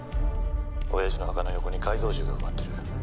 「親父の墓の横に改造銃が埋まってる」